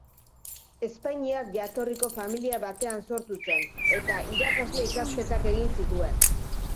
Espainiar jatorriko familia batean sortu zen, eta irakasle-ikasketak egin zituen.